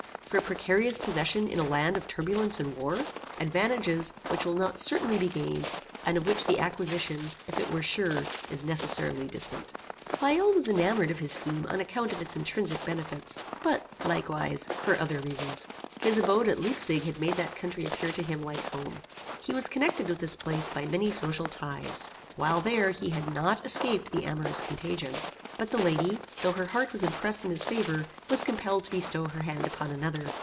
For a precarious possession in a land of turbulence and war? Advantages, which will not certainly be gained, and of which the acquisition, if it were sure, is necessarily distant. Pleyel was enamoured of his scheme on account of its intrinsic benefits, but, likewise, for other reasons. His abode at Leipsig made that country appear to him like home. He was connected with this place by many social ties. While there he had not escaped the amorous contagion. But the lady, though her heart was impressed in his favor, was compelled to bestow her hand upon another.